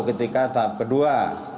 ketika tahap kedua